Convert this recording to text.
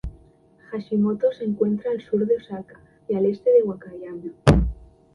Hashimoto se encuentra al sur de Osaka y al este de Wakayama.